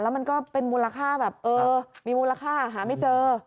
มันก็เป็นมูลค่าแบบเออมีมูลค่าหาไม่เจอ